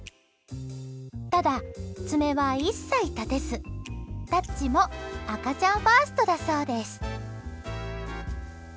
ただ爪は一切立てず、タッチも赤ちゃんファーストだそうです。